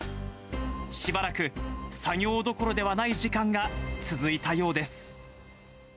しばらく作業どころではない時間が続いたようです。